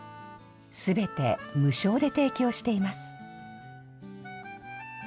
すべて無償で提供しています。